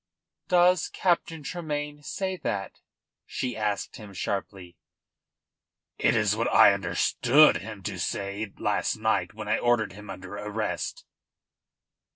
"Does Captain Tremayne say that?" she asked him sharply. "It is what I understood him to say last night when I ordered him under arrest."